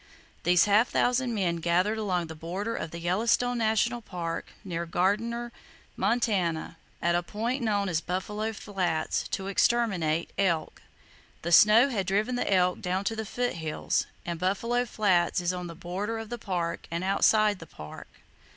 These half thousand men gathered along the border of the Yellowstone National Park, near Gardiner, Montana, at a point known as Buffalo Flats, to exterminate elk. The snow had driven the elk down to the foothills, and Buffalo Flats is on the border of the park and outside the park.